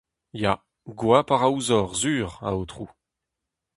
Ya, goap a ra ouzhoc'h sur, aotrou.